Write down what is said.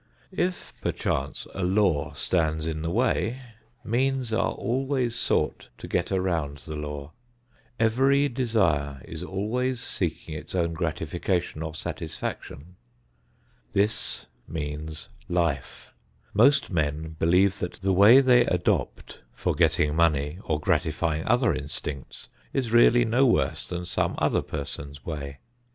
If, perchance, a law stands in the way, means are always sought to get around the law. Every desire is always seeking its own gratification or satisfaction. This means life. Most men believe that the way they adopt for getting money or gratifying other instincts is really no worse than some other person's way.